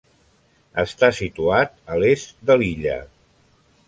Està situat a l'est de l'illa.